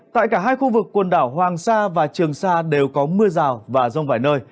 tại cả hai khu vực quần đảo hoàng sa và trường sa đều có mưa rào và rông vài nơi